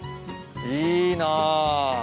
いいな。